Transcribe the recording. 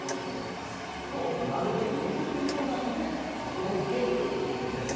まるで根づくようなので根ぼっけというふうに言うんです。